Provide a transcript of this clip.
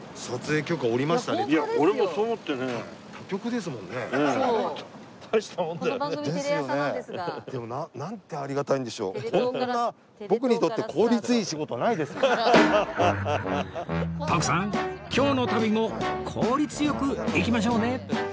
今日の旅も効率良くいきましょうね